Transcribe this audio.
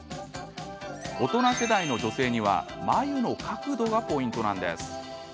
大人世代の女性には眉の角度がポイントなんです。